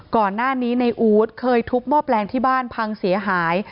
ก่อนหน้านี้ในอู๊ดเคยทุบหม้อแปลงที่บ้านพังเสียหาย